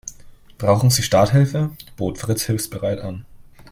Brauchen Sie Starthilfe?, bot Fritz hilfsbereit an.